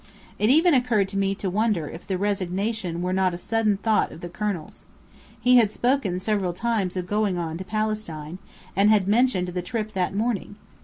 It even occurred to me to wonder if the resignation were not a sudden thought of the Colonel's. He had spoken several times of going on to Palestine, and had mentioned the trip that morning.